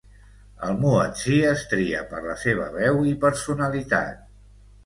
El muetzí es tria per la seva veu i personalitat.